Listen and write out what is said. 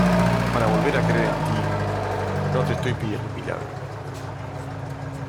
para volver a creer en ti. no te estoy pidiendo un milagro,